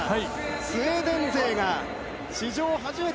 スウェーデン勢が史上